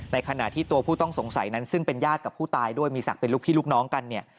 ขณะที่ตัวผู้ต้องสงสัยนั้นซึ่งเป็นญาติกับผู้ตายด้วยมีศักดิ์เป็นลูกพี่ลูกน้องกันเนี่ย